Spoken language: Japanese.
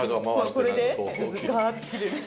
これでガーッて切れる？